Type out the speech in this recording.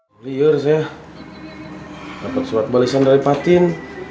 dari yur saya dapet surat balisan dari patin